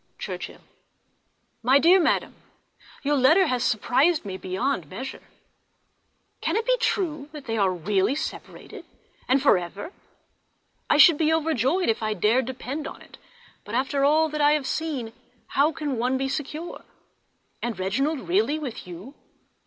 _ Churchhill. My dear Mother,—Your letter has surprized me beyond measure! Can it be true that they are really separated—and for ever? I should be overjoyed if I dared depend on it, but after all that I have seen how can one be secure? And Reginald really with you!